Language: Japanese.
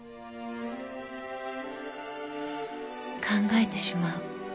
［考えてしまう］